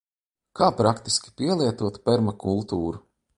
Kā praktiski pielietot permakultūru?